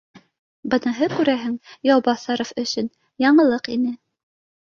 Быныһы, күрәһең, Яубаҫаров өсөн яңылыҡ ине